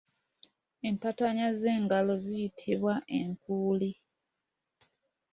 Empataanya z’engalo ziyitibwa enkuuli.